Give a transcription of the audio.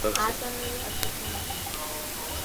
ধর্ম দৈনন্দিন জীবনের সাধারণ বুদ্ধির বিষয়।